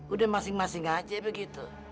udah masing masing aja begitu